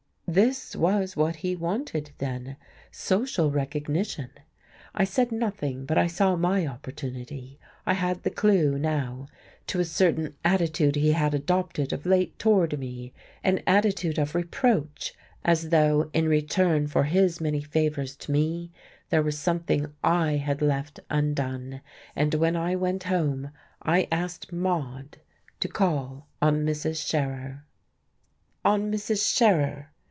This was what he wanted, then, social recognition. I said nothing, but I saw my opportunity: I had the clew, now, to a certain attitude he had adopted of late toward me, an attitude of reproach; as though, in return for his many favours to me, there were something I had left undone. And when I went home I asked Maude to call on Mrs. Scherer. "On Mrs. Scherer!"